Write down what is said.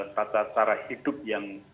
tata cara hidup yang